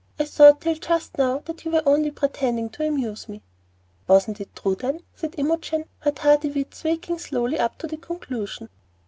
I thought till just now that you were only pretending, to amuse me." "Wasn't it true, then?" said Imogen, her tardy wits waking slowly up to the conclusion.